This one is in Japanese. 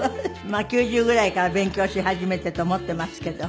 まあ９０ぐらいから勉強し始めてと思っていますけど。